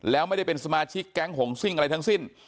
แล้วไม่ได้เป็นสมาชิกแก๊งหงซิ่งอะไรทั้งสิ้น